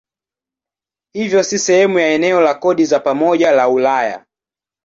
Hivyo si sehemu ya eneo la kodi za pamoja la Ulaya.